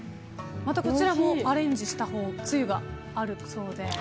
また、こちらもアレンジしたつゆがあるそうで。